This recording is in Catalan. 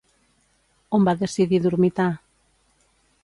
On va decidir dormitar?